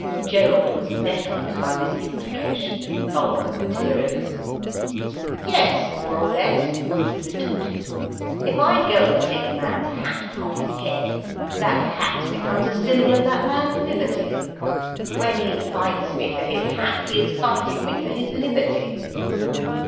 Gerald was nettled by this implication of vulgar materialism. "Yes, more or less," he retorted. "If I go and take a man's hat from off his head, that hat becomes a symbol of that man's liberty. When he fights me for his hat, he is fighting me for his liberty."